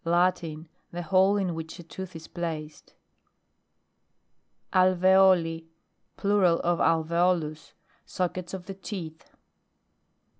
Latin. The hole in which a tooth is placed. ALVEOLI. Plural of alveolus. Sock ets of the teeth.